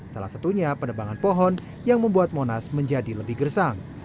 salah satunya penebangan pohon yang membuat monas menjadi lebih gersang